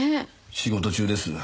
仕事中です。